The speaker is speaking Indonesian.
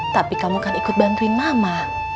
tapi kamu kan ikut bantuin nama